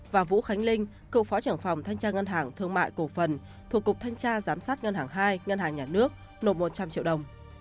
và vũ khánh linh cựu phó trưởng phòng thanh tra ngân hàng thương mại cổ phần thuộc cục thanh tra giám sát ngân hàng hai ngân hàng nhà nước nộp một trăm linh triệu đồng